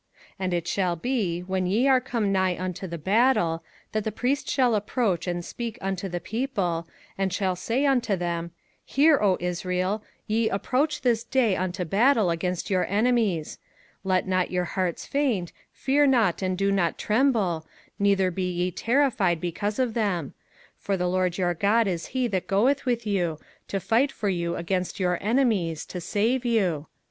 05:020:002 And it shall be, when ye are come nigh unto the battle, that the priest shall approach and speak unto the people, 05:020:003 And shall say unto them, Hear, O Israel, ye approach this day unto battle against your enemies: let not your hearts faint, fear not, and do not tremble, neither be ye terrified because of them; 05:020:004 For the LORD your God is he that goeth with you, to fight for you against your enemies, to save you.